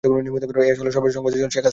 এই আসনের সর্বশেষ সাংসদ ছিলেন শেখ হাসিনা।